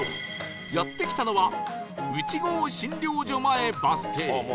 やって来たのは内郷診療所前バス停